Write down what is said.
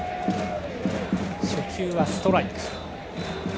初球はストライク。